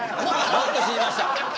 もっと死にました。